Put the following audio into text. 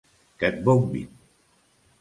Que et bombin!